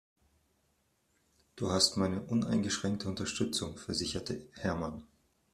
Du hast meine uneingeschränkte Unterstützung, versicherte Hermann.